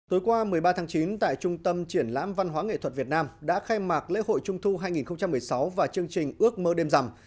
tối qua một mươi ba tháng chín tại trung tâm triển lãm văn hóa nghệ thuật việt nam đã khai mạc lễ hội trung thu hai nghìn một mươi sáu và chương trình ước mơ đêm rằm